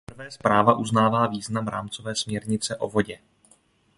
Zaprvé zpráva uznává význam rámcové směrnice o vodě.